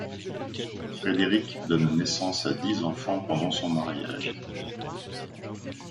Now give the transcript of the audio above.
Frédérique donne naissance à dix enfants pendant son mariage.